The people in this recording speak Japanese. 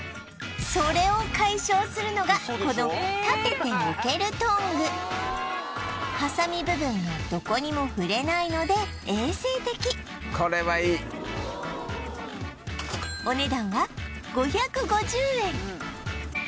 それを解消するのがこの立てて置けるトングハサミ部分がどこにも触れないので衛生的お値段は５５０円